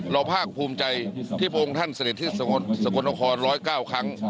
ภาคภูมิใจที่พระองค์ท่านเสด็จที่สกลนคร๑๐๙ครั้ง